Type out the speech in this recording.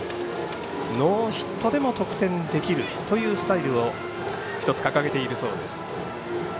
ノーヒットでも得点できるというスタイルを１つ掲げているそうです。